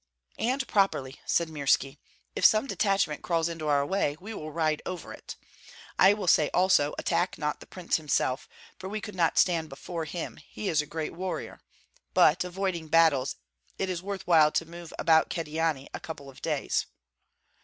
"And properly!" said Mirski. "If some detachment crawls into our way, we will ride over it. I will say also: Attack not the prince himself, for we could not stand before him, he is a great warrior! But, avoiding battles, it is worth while to move about Kyedani a couple of days."